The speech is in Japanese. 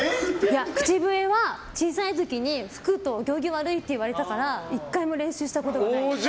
口笛は小さい時に、吹くとお行儀悪いって言われたから１回も練習したことがない。